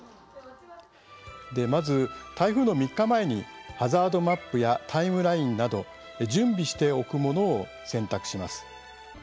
まず台風の３日前にハザードマップやタイムラインなど準備しておくものを選択します。